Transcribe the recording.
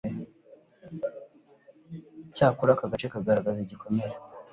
Icyakora aka gace kagaragaza igikomere